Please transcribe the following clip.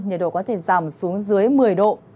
nhiệt độ có thể giảm xuống dưới một mươi độ